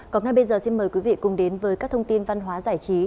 còn ngay bây giờ xin mời quý vị cùng đến với các thông tin văn hóa giải trí